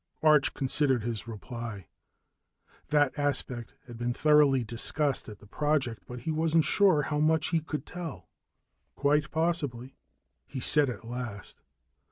Arch considered his reply. That aspect had been thoroughly discussed at the project, but he wasn't sure how much he could tell. "Quite possibly," he said at last.